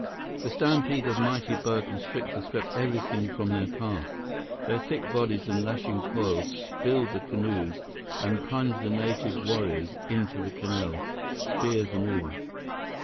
The stampede of mighty boa constrictors swept everything from their path. Their thick bodies and lashing coils spilled the canoes and plunged the native warriors into the canal, spears and all.